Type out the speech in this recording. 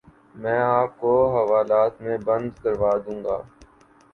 میں آپ کو حوالات میں بند کروا دوں گا